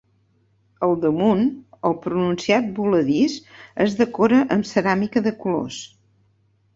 Al damunt, el pronunciat voladís es decora amb ceràmica de colors.